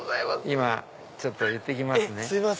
今ちょっと言って来ますね。